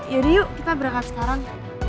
yaudah yuk kita berangkat sekarang